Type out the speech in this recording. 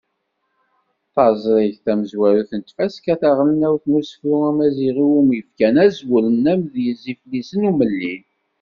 Taẓrigt tamezwarut n tfaska taɣelnawt n usefru amaziɣ iwumi fkan azwel n “Amedyez Iflisen Umellil”.